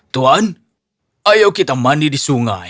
tuan ayo kita mandi di sungai